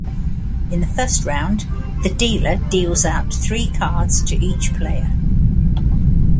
In the first round, the dealer deals out three cards to each player.